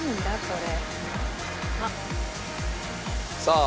あっ。